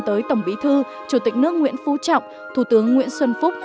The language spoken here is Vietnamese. tới tổng bí thư chủ tịch nước nguyễn phú trọng thủ tướng nguyễn xuân phúc